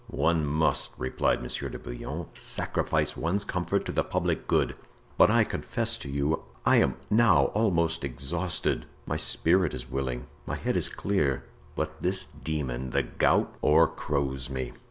"One must," replied Monsieur de Bouillon, "sacrifice one's comfort to the public good; but I confess to you I am now almost exhausted. My spirit is willing, my head is clear, but this demon, the gout, o'ercrows me.